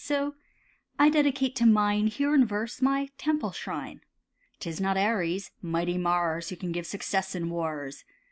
So I dedicate to mine, Here in verse, my temple shrine. 'Tis not Ares,—mighty Mars, Who can give success in wars.